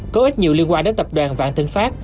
có ít nhiều liên quan đến tập đoàn vạn thân phát